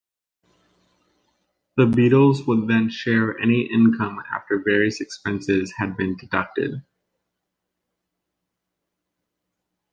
The Beatles would then share any income after various expenses had been deducted.